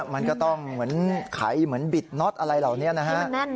มันก็ต้องเหมือนไขเหมือนบิดน็อตอะไรเหล่านี้นะฮะ